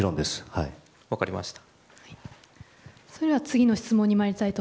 分かりました。